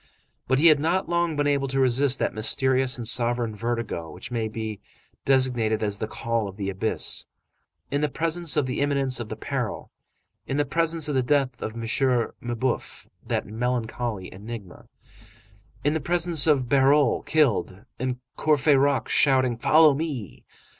But he had not long been able to resist that mysterious and sovereign vertigo which may be designated as the call of the abyss. In the presence of the imminence of the peril, in the presence of the death of M. Mabeuf, that melancholy enigma, in the presence of Bahorel killed, and Courfeyrac shouting: "Follow me!"